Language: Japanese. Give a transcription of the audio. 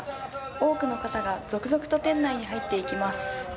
多くの方が続々と店内に入っていきます。